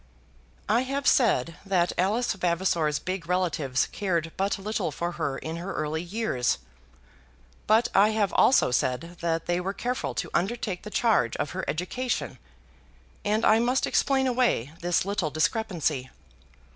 I have said that Alice Vavasor's big relatives cared but little for her in her early years; but I have also said that they were careful to undertake the charge of her education, and I must explain away this little discrepancy.